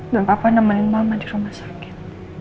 gapapa nemenin mama di rumah sakit